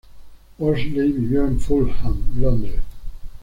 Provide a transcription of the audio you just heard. Worsley vivió en Fulham, Londres.